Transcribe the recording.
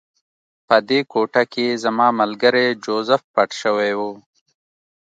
په دې کوټه کې زما ملګری جوزف پټ شوی و